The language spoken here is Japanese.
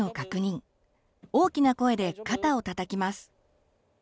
大きな声で肩をたたきます。